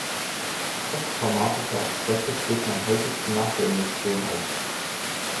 Posttraumatische Abszesse treten am häufigsten nach der Injektion auf.